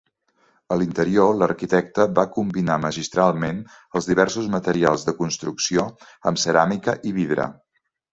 A l'interior, l'arquitecte va combinar magistralment els diversos materials de construcció amb ceràmica i vidre.